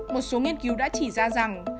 một số nghiên cứu đã chỉ ra rằng